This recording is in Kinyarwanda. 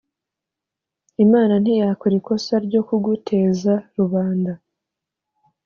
Imana ntiyakora ikosa ryokuguteza rubanda